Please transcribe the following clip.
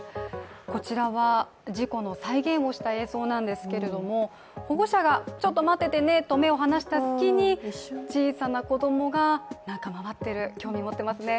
こちらは事故の再現をした映像なんですけれども保護者がちょっと待っててねと目を離した隙に小さな子供が、何か回ってる興味を持っていますね。